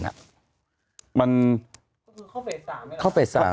ที่ไม่ได้ไปเอาเชื้อมาจากข้างนอกบ้าน